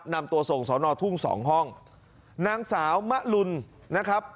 นำตัวส่งสอนอทุ่งสองห้องนางสาวมะลุนนะครับ